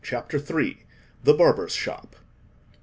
CHAPTER III. The Barber's Shop.